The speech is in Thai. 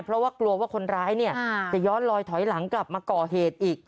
เพราะว่ากลัวว่าคนร้ายเนี่ยจะย้อนลอยถอยหลังกลับมาก่อเหตุอีก